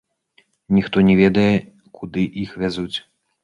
Ніхто не ведае, куды іх вязуць.